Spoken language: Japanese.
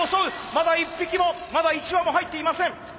まだ一匹もまだ一羽も入っていません。